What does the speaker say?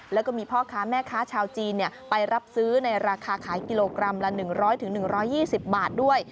แล้วก็มีพ่อค้าแม่ค้าชาวจีนเนี่ยไปรับซื้อในราคาขายกิโลกรัมละหนึ่งร้อยถึงหนึ่งร้อยยี่สิบบาทด้วย